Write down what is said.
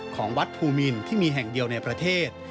ของวัดภูมินที่มีแห่งเดียวในประเทศ